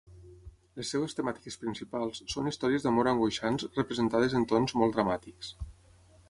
Les seves temàtiques principals són històries d'amor angoixants representades en tons molt dramàtics.